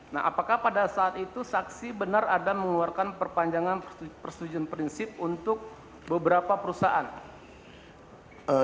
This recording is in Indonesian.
nah apakah pada saat itu saksi benar ada mengeluarkan perpanjangan persetujuan prinsip untuk beberapa perusahaan